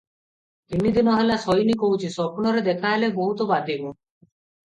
ତିନିଦିନ ହେଲା ଶୋଇନି କହୁଛି ସ୍ୱପ୍ନରେ ଦେଖାହେଲେ ବହୁତ ବାଧିବ